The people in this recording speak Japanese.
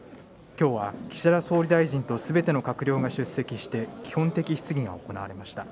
きょうは岸田総理大臣とすべての閣僚が出席して、基本的質疑が行われました。